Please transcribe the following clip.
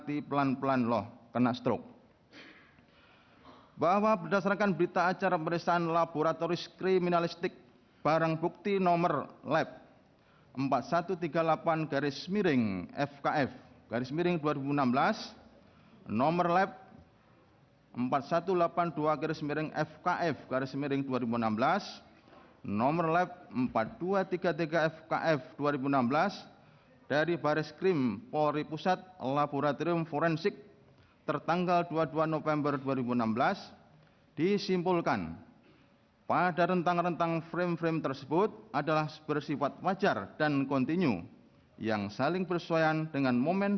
yang satu sama lainnya saling berhubungan